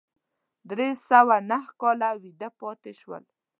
درې سوه نهه کاله ویده پاتې شول.